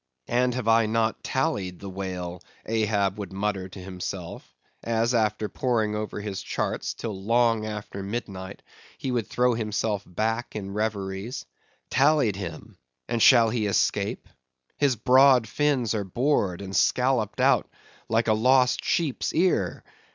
And have I not tallied the whale, Ahab would mutter to himself, as after poring over his charts till long after midnight he would throw himself back in reveries—tallied him, and shall he escape? His broad fins are bored, and scalloped out like a lost sheep's ear!